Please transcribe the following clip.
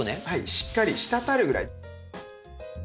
しっかり滴るぐらい。